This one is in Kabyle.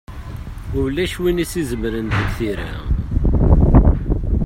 Ulac win i as-izemren deg tira.